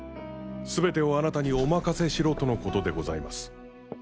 全てをあなたにお任せしろとのことでございます。